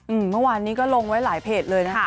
เมื่อวานนี้ก็ลงไว้หลายเพจเลยนะคะ